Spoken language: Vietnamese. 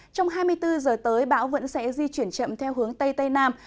trong hai mươi bốn giờ tới bão vẫn sẽ di chuyển chậm theo hướng tây tây nam